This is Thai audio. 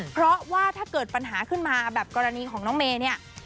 เพราะว่าถ้าเกิดปัญหาขึ้นมาแบบกรณีของน้องเมย์เนี่ย